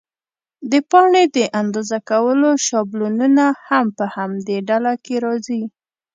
د پاڼې د اندازه کولو شابلونونه هم په همدې ډله کې راځي.